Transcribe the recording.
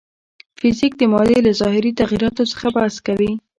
فزیک د مادې له ظاهري تغیراتو څخه بحث کوي.